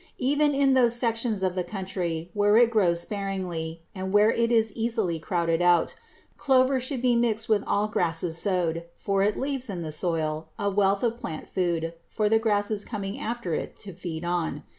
Even in those sections of the country where it grows sparingly and where it is easily crowded out, clover should be mixed with all grasses sowed, for it leaves in the soil a wealth of plant food for the grasses coming after it to feed on.